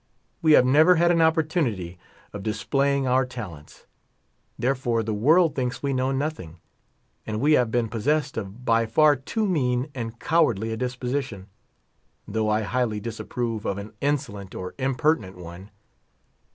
We have never had an opportunity of displaying our talents ; therefore the world thinks we know nothing. And we have been possessed of by far too mean and cowardly a disposition, though I highly disapprove of an insolent* or impertinent one.